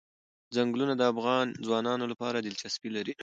ځنګلونه د افغان ځوانانو لپاره دلچسپي لري.